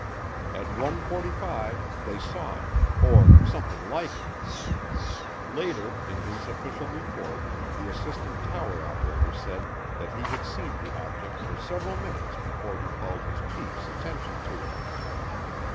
At one forty five they saw it, or something like it. Later, in his official report, the assistant tower operator said that he had seen the object for several minutes before he called his chiefs attention to it.